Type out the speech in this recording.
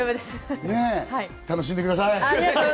楽しんでください。